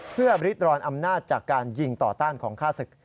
เพื่อริดรอนอำนาจจากการยิงต่อต้านของฆ่าศึก